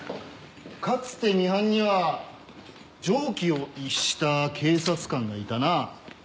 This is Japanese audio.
かつてミハンには常軌を逸した警察官がいたな。